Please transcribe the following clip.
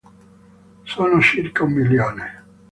Sono circa un milione.